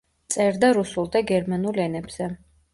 წერდა რუსულ და გერმანულ ენებზე.